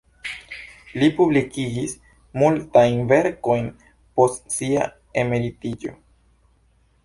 Li publikigis multajn verkojn post sia emeritiĝo.